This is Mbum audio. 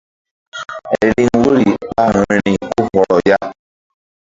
Riŋ woyri ɓa vbi̧ri ko hɔrɔ ya.